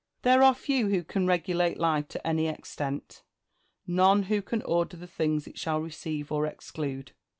There are few who can regulate life to any extent ; none who can order the things it shall receive or exclude.